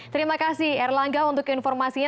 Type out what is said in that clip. terima kasih erlangga untuk informasinya